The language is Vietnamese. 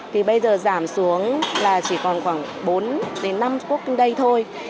thì bây giờ giảm xuống là chỉ còn khoảng bốn đến năm working day thôi